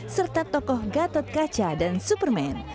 serta tokoh gatot kaca dan superman